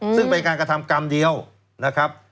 ซึ่งเป็นการกระทำกรรมเดียวนะครับ